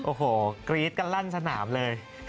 โอ้โหกรี๊ดกันลั่นสนามเลย